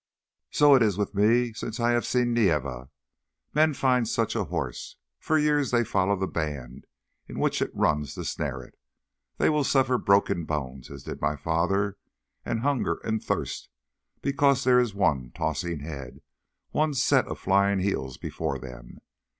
"So it is with me since I have seen Nieve. Men find such a horse; for years they follow the band in which it runs to snare it. They will suffer broken bones, as did my father, and hunger, and thirst, because there is one tossing head, one set of flying heels before them.